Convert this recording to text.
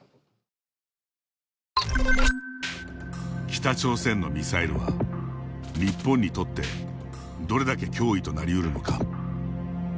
北朝鮮のミサイルは日本にとってどれだけ脅威となりうるのか。